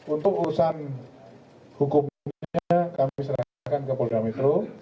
untuk urusan hukumnya kami serahkan ke polda metro